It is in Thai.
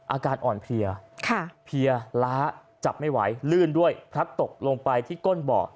อาการอ่อนเพลียเพลียล้าจับไม่ไหวลื่นด้วยพลัดตกลงไปที่ก้นเบาะ